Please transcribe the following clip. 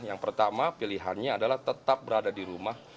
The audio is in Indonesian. yang pertama pilihannya adalah tetap berada di rumah